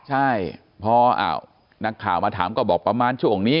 ใช่พอนักข่าวมาถามก็บอกประมาณช่วงนี้